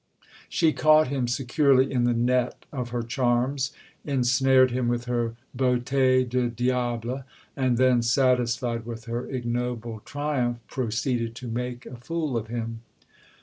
She caught him securely in the net of her charms, ensnared him with her beauté de diable, and then, satisfied with her ignoble triumph, proceeded to make a fool of him.